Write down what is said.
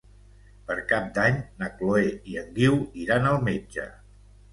Per Cap d'Any na Chloé i en Guiu iran al metge.